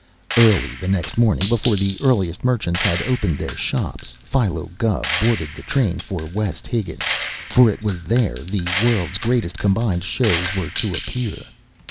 Early the next morning, before the earliest merchants had opened their shops, Philo Gubb boarded the train for West Higgins, for it was there the World's Greatest Combined Shows were to appear.